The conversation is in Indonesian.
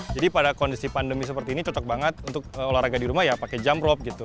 jadi pada kondisi pandemi seperti ini cocok banget untuk olahraga di rumah ya pakai jamrop gitu